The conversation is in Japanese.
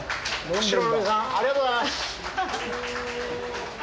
釧路の皆さんありがとうございます。